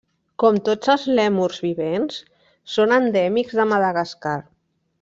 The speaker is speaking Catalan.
Com tots els lèmurs vivents, són endèmics de Madagascar.